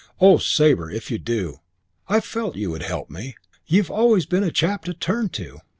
"Oh, Sabre, if you do! I felt you would help. You've always been a chap to turn to!"